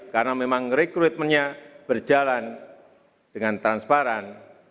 karena memang rekrutmennya berjalan dengan transparan